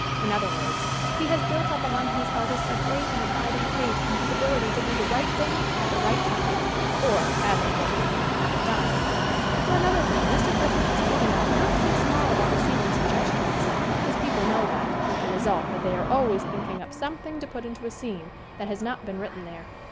In other words, he has built up among his artists a great and abiding faith in his ability to do the right thing at the right time, or, as importantly, have it done. For another thing, Mr. Griffith is big enough not to be small about receiving suggestions. His people know that, with the result that they are always thinking up something to put into a scene that has not been written there.